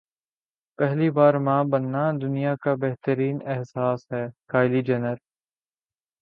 پہلی بار ماں بننا دنیا کا بہترین احساس ہے کایلی جینر